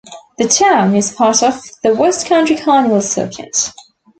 The town is part of the West Country Carnival circuit.